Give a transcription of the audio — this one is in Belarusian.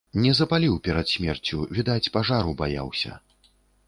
Не запаліў перад смерцю, відаць, пажару баяўся.